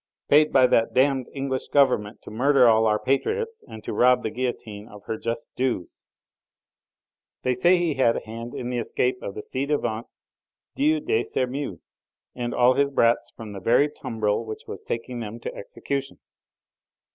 "Paid by that damned English Government to murder all our patriots and to rob the guillotine of her just dues." "They say he had a hand in the escape of the ci devant Duc de Sermeuse and all his brats from the very tumbril which was taking them to execution."